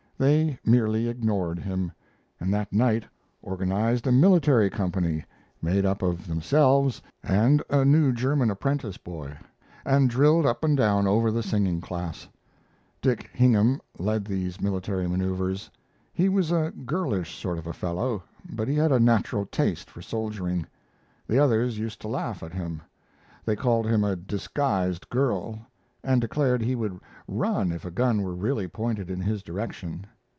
They merely ignored him, and that night organized a military company, made up of themselves and a new German apprentice boy, and drilled up and down over the singing class. Dick Hingham led these military manoeuvers. He was a girlish sort of a fellow, but he had a natural taste for soldiering. The others used to laugh at him. They called him a disguised girl, and declared he would run if a gun were really pointed in his direction.